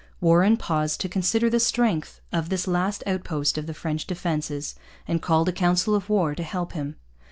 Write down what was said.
Warren paused to consider the strength of this last outpost of the French defences and called a council of war to help him.